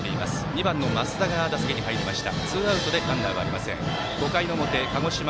２番の増田が打席に入りました。